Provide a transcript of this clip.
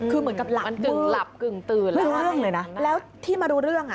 คือเหมือนกับหลับมือแล้วที่มารู้เรื่อง